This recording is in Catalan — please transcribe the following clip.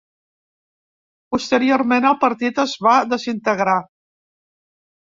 Posteriorment el partit es va desintegrar.